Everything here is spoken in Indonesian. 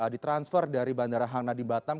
ditransfer dari bandara hangna di batam